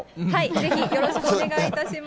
ぜひ、よろしくお願いいたします。